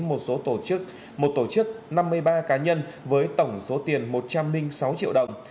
một tổ chức năm mươi ba cá nhân với tổng số tiền một trăm linh sáu triệu đồng